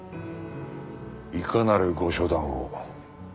いかなるご処断を？